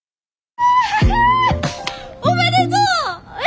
えっおめでとう！